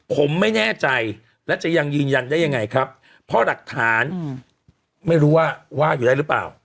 ผมไม่แน่ใจและจะยังยืนยันได้ยังไงครับเพราะหลักฐานไม่รู้ว่าว่าอยู่ได้หรือเปล่า